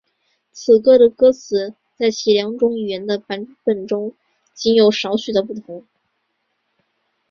此歌的歌词在其两种语言的版本中仅有少许的不同。